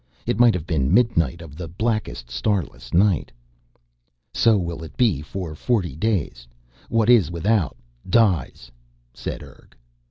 It might have been midnight of the blackest, starless night. "So will it be for forty days. What is without dies," said Urg.